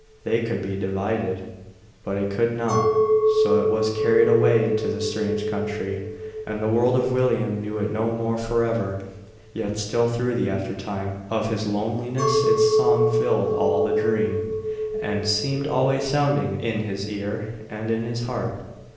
They could be divided, but it could not, so it was carried away into the strange country, and the world of William knew it no more forever. Yet still through the aftertime of his loneliness its song filled all the dream, and seemed always sounding in his ear and in his heart.